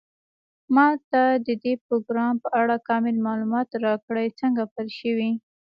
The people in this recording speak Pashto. ما ته د دې پروګرام په اړه کامل معلومات راکړئ څنګه پیل شوی